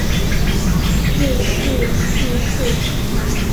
致仕去世。